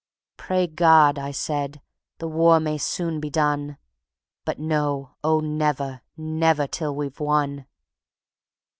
"Pray God," I said, "the war may soon be done, But no, oh never, never till we've won!")